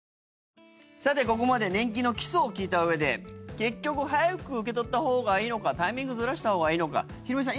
さて、ここまで年金の基礎を聞いたうえで結局早く受け取ったほうがいいのかタイミングずらしたほうがいいのかヒロミさん